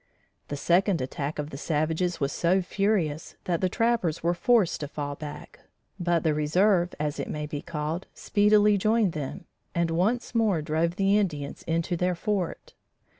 The second attack of the savages was so furious that the trappers were forced to fall back, but the reserve, as it may be called, speedily joined them, and once more drove the Indians into their fort.